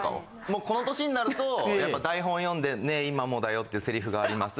もうこの歳になるとやっぱ台本読んで「ねぇ今もだよ」っていうセリフがあります。